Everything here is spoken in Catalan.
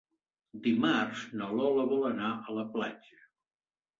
Dimarts na Lola vol anar a la platja.